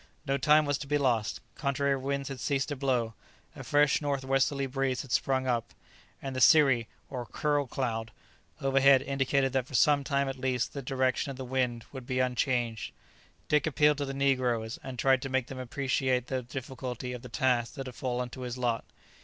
No time was to be lost. Contrary winds had ceased to blow; a fresh north westerly breeze had sprung up, and the cirri, or curl cloud: overhead indicated that for some time at least the direction of the wind would be unchanged. Dick appealed to the negroes, and tried to make them appreciate the difficulty of the task that had fallen to his lot.